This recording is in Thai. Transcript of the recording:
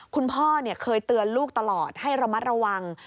คุณพ่อเคยเตือนลูกตลอดให้ระมัดระวัง